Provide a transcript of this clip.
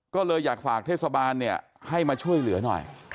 ก็เลยอยากฝากเทศบาลให้มาช่วยเหลือหน่อย